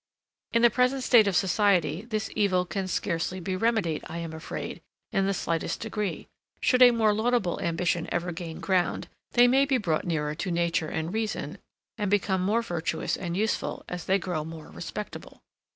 In the present state of society, this evil can scarcely be remedied, I am afraid, in the slightest degree; should a more laudable ambition ever gain ground, they may be brought nearer to nature and reason, and become more virtuous and useful as they grow more respectable.